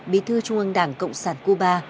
bí thư trung ương đảng cộng sản cuba